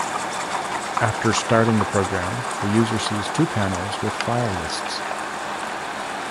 After starting the program the user sees two panels with file lists.